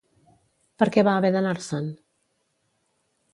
Per què va haver d'anar-se'n?